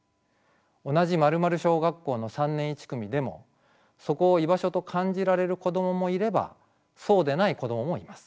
同じ〇〇小学校の３年１組でもそこを居場所と感じられる子供もいればそうでない子供もいます。